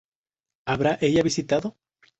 ¿Habrá ella visitado?